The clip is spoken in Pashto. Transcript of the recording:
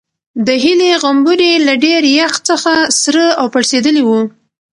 د هیلې غومبوري له ډېر یخ څخه سره او پړسېدلي وو.